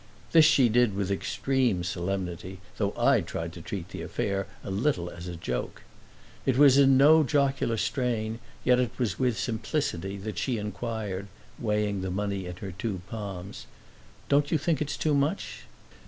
This she did with extreme solemnity, though I tried to treat the affair a little as a joke. It was in no jocular strain, yet it was with simplicity, that she inquired, weighing the money in her two palms: "Don't you think it's too much?"